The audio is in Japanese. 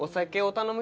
頼む！